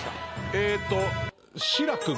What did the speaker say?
えっと。